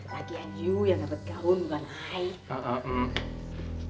lagi yang iu yang dapet gaun buat i